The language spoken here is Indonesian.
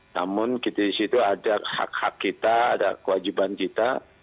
namun di situ ada hak hak kita ada kewajiban kita